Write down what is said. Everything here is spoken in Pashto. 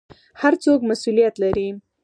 هر څوک مسوولیت لري